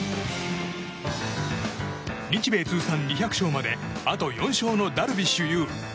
日米通算２００勝まであと４勝のダルビッシュ有。